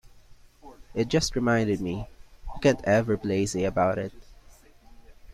It just reminded me, you can't ever be lazy about it.